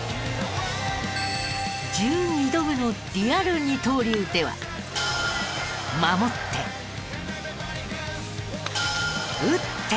１２度目のリアル二刀流では守って。